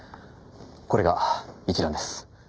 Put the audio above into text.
これが一覧です。